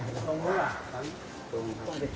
ปีนน้ำเนี่ย